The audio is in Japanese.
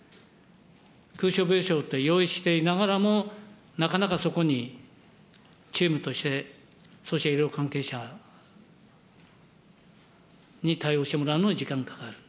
空床病床を用意していながらも、なかなかそこにチームとして、そうした医療関係者に対応してもらうのに時間がかかる。